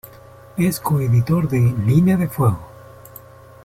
Es coeditor de "Línea de fuego".